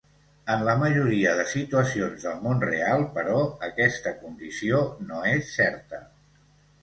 En la majoria de situacions del món real, però, aquesta condició no és certa.